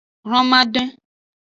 Hlomadin.